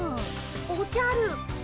おじゃる。